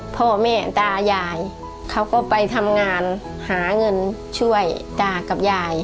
พ่อแม่ตายายเขาก็ไปทำงานหาเงินช่วยตากับยาย